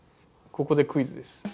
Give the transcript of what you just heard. ここでクイズです。